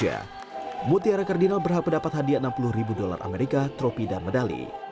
di partai ketiga mutiara kardinal berharap mendapat hadiah enam puluh ribu dolar amerika tropi dan medali